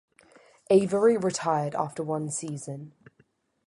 Avery retired after one season.